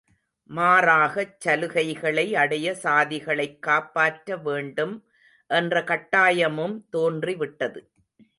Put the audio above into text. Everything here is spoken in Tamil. மாறாகச் சலுகைகளை அடைய சாதிகளைக் காப்பாற்ற வேண்டும் என்ற கட்டாயமும் தோன்றி விட்டது.